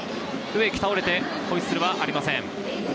植木、倒れてホイッスルはありません。